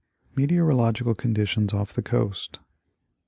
Meteorological Conditions Off the Coast.